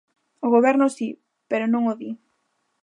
O Goberno si, pero non o di.